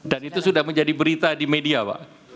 itu sudah menjadi berita di media pak